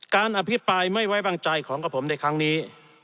อภิปรายไม่ไว้วางใจของกับผมในครั้งนี้